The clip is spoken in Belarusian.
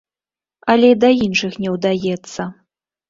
Але і да іншых не ўдаецца.